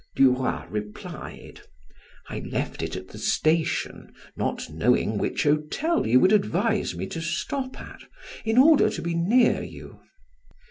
Duroy replied: "I left it at the station, not knowing which hotel you would advise me to stop at, in order to be near you."